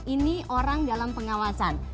ini orang dalam pengawasan